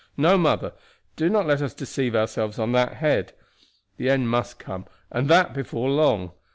No, mother, do not let us deceive ourselves on that head. The end must come, and that before long.